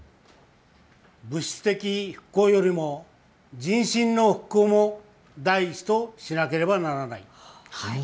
物質的復興よりも人心の復興を第一としなければならない。